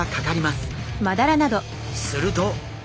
すると。